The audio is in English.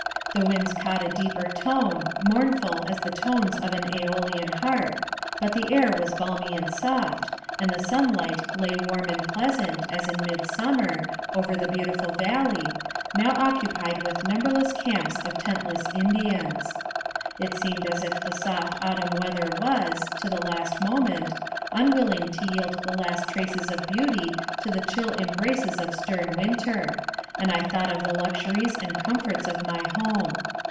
The winds caught a deeper tone, mournful as the tones of an Jolian harp, but the air was balmy and soft, and the sunlight lay warm and pleasant, as in midsummer, over the beautiful valley, now occupied with numberless camps of tentless Indians. It seemed as if the soft autumn weather was, to the last moment, unwilling to yield the last traces of beauty to the chill embraces of stern winter, and I thought of the luxuries and comforts of my home.